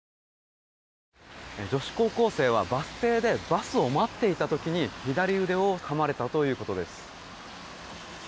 女子高校生はバス停でバスを待っていた時に左腕をかまれたということです。